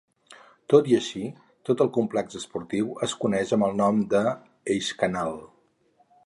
Tot i així, tot el complex esportiu es coneix amb el nom de Eiskanal.